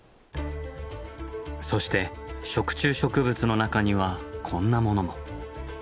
そして食虫植物の中にはこんなものも。